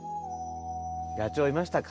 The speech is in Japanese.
野鳥いましたか？